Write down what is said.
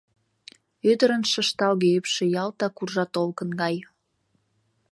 Ӱдырын шышталге ӱпшӧ ялтак уржа толкын гай.